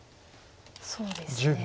そうですね。